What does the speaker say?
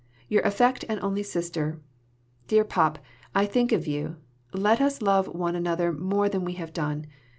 Your affect and only sister. Dear Pop, I think of you, pray let us love one another more than we have done.